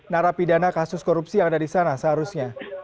narapidana kasus korupsi yang ada di sana seharusnya